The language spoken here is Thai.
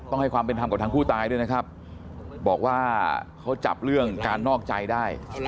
ให้ความเป็นธรรมกับทางผู้ตายด้วยนะครับบอกว่าเขาจับเรื่องการนอกใจได้